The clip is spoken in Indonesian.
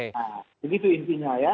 nah begitu intinya ya